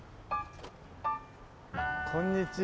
こんにちは。